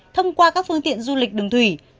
thông qua các phương tiện du lịch đường thủy